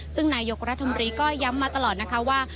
ซึ่งนายกรัฐมนตรีก็ย้ำมาตลอดนะคะว่า